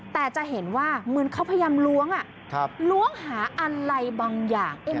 แต่จะเห็นว่าเหมือนเขาพยายามล้วงล้วงหาอะไรบางอย่าง